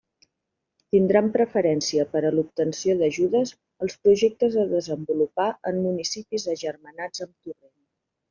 Tindran preferència per a l'obtenció d'ajudes, els projectes a desenvolupar en municipis agermanats amb Torrent.